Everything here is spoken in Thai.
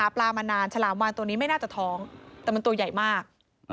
ปลามานานฉลามวานตัวนี้ไม่น่าจะท้องแต่มันตัวใหญ่มาก